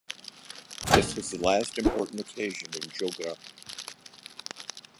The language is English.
This was the last important occasion in Jugra.